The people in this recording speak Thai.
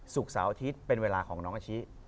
เสาร์อาทิตย์เป็นเวลาของน้องอาชิ